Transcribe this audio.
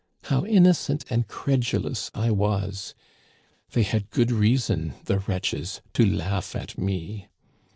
How innocent and credulous I was ! They had good reason, the wretches, to laugh at me.